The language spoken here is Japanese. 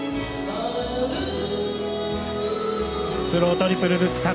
スロートリプルルッツ。